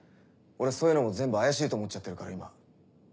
俺そういうのも全部怪しいと思っちゃってるから今。